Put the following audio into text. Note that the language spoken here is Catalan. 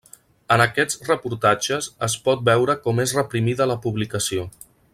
En aquests reportatges es pot veure com és reprimida la publicació.